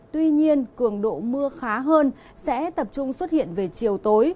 tuy nhiên cường độ mưa khá hơn sẽ tập trung xuất hiện về chiều tối